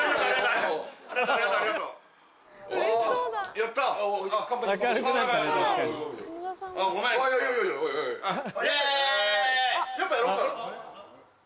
やっぱやろうかな。